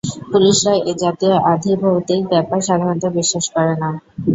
পুলিশরা এজাতীয় আধিভৌতিক ব্যাপার সাধারণত বিশ্বাস করে না।